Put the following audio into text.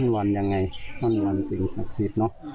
อ้อนวันยังไงอ้อนวันสิงห์ศักดิ์สิทธิ์เนอะ